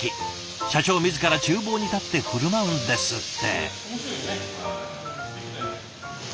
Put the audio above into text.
社長自らちゅう房に立って振る舞うんですって。